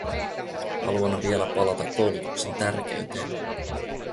Haluan vielä palata koulutuksen tärkeyteen.